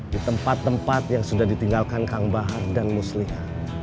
di tempat tempat yang sudah ditinggalkan kang bahar dan musliha